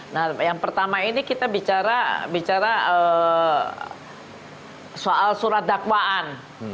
nah yang pertama ini kita bicara soal surat dakwaan